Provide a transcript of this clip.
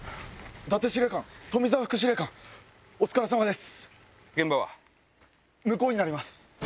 伊達司令官富澤副司令官お疲れさまです。